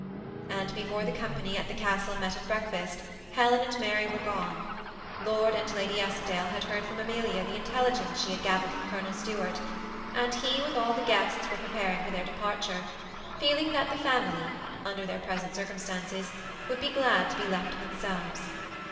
And before the company at the Castle met at breakfast, Helen and Mary were gone. Lord and Lady Eskdale had heard from Amelia the intelligence she had gathered from Colonel Stuart, and he, with all the guests, were preparing for their de parture, feeling that the family, under their present 296 THE SEMI ATTAGHED COUPLE. circumstances, would be glad to be left to themselves.